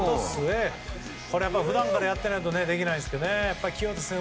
これは普段からやっていないとできないですよね。